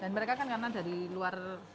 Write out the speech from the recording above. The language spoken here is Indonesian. dan mereka kan kanan dari luar surabaya